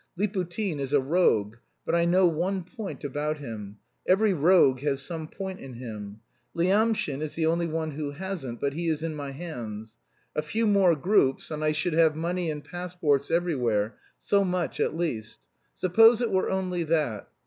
Liputin is a rogue, but I know one point about him. Every rogue has some point in him.... Lyamshin is the only one who hasn't, but he is in my hands. A few more groups, and I should have money and passports everywhere; so much at least. Suppose it were only that?